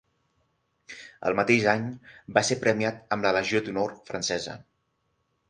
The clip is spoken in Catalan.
El mateix any, va ser premiat amb la Legió d'honor francesa.